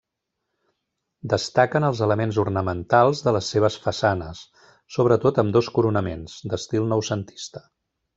Destaquen els elements ornamentals de les seves façanes, sobretot ambdós coronaments, d'estil noucentista.